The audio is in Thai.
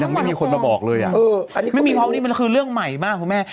ไม่มีคนมาบอกเลยอ่ะไม่มีเพราะวันนี้มันคือเรื่องใหม่มากคุณแม่